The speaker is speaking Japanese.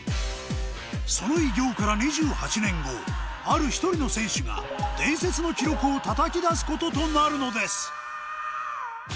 その偉業から２８年後ある１人の選手が伝説の記録をたたき出す事となるのです！